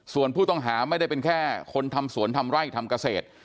ส่วนผู้ต้องหาไม่ได้เป็นแค่คนทำสวนทำไร่ทำเกษตร